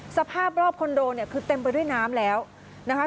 สภาพรอบคอนโดเนี่ยคือเต็มไปด้วยน้ำแล้วนะคะ